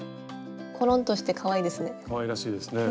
ころんとしてかわいいですね。